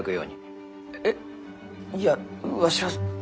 えっいやわしはそんな。